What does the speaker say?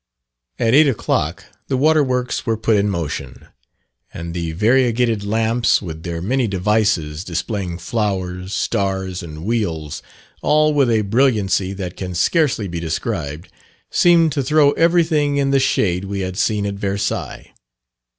At eight o'clock the water works were put in motion, and the variagated lamps with their many devices, displaying flowers, stars, and wheels, all with a brilliancy that can scarcely be described, seemed to throw everything in the shade we had seen at Versailles.